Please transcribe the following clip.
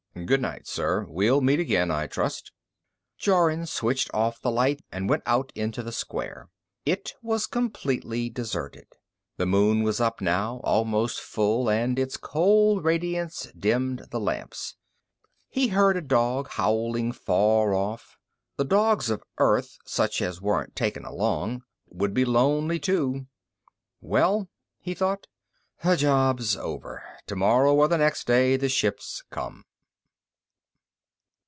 "Goodnight, sir. We'll meet again, I trust." Jorun switched off the lights and went out into the square. It was completely deserted. The moon was up now, almost full, and its cold radiance dimmed the lamps. He heard a dog howling far off. The dogs of Earth such as weren't taken along would be lonely, too. Well, he thought, _the job's over. Tomorrow, or the next day, the ships come.